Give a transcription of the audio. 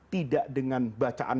tidak dengan bacaan